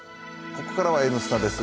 ここからは「Ｎスタ」です。